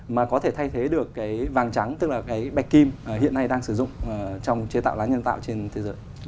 mà có thể thay thế được cái vàng trắng tức là cái bạch kim hiện nay đang sử dụng trong chế tạo lá nhân tạo trên thế giới